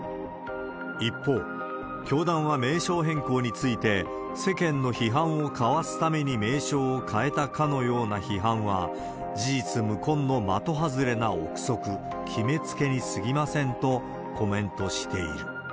一方、教団は名称変更について、世間の批判をかわすために名称を変えたかのような批判は、事実無根の的外れな臆測、決めつけにすぎませんとコメントしている。